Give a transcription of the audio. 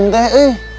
dua dua satu dua satu